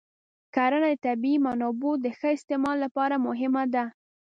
کرنه د طبیعي منابعو د ښه استعمال لپاره مهمه ده.